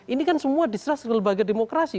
ini kan semua distrust ke lembaga demokrasi